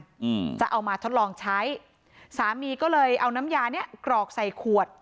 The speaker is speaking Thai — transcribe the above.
อืมจะเอามาทดลองใช้สามีก็เลยเอาน้ำยาเนี้ยกรอกใส่ขวด